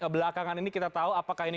belakangan ini kita tahu apakah ini